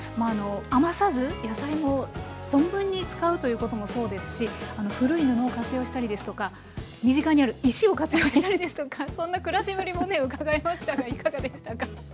余さず野菜も存分に使うということもそうですし古い布を活用したりですとか身近にある石を活用したりですとかそんな暮らしぶりもねうかがえましたがいかがでしたか。